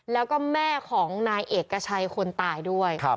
แล้วก็แม่ของนายเอกชัยคนตายด้วย